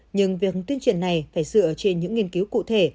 nhưng việc tuyên truyền này phải dựa trên những nghiên cứu cụ thể